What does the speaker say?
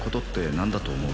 何だと思う？